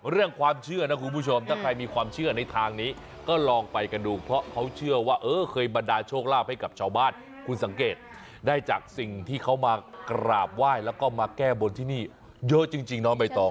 เรื่องความเชื่อนะคุณผู้ชมถ้าใครมีความเชื่อในทางนี้ก็ลองไปกันดูเพราะเขาเชื่อว่าเออเคยบรรดาโชคลาภให้กับชาวบ้านคุณสังเกตได้จากสิ่งที่เขามากราบไหว้แล้วก็มาแก้บนที่นี่เยอะจริงน้องใบตอง